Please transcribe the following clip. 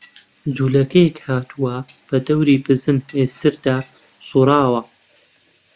جوولەکەیەک هاتووە، بە دەوری بزن ئێستردا سووڕاوە